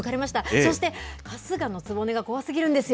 そして春日局が怖すぎるんですよ。